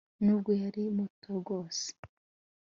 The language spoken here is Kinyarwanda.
n'ubwo yari muto bwose